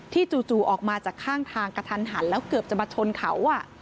จู่ออกมาจากข้างทางกระทันหันแล้วเกือบจะมาชนเขา